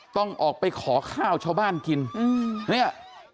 ต้องออกไปขอข้าวชาวบ้านกินเนี่ย